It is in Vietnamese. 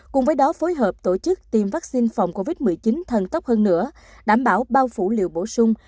cùng với đó phối hợp tổ chức tiêm vaccine phòng covid một mươi chín thần tốc hơn nữa đảm bảo bao phủ liệu bổ sung